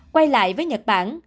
quay lại với nhật bản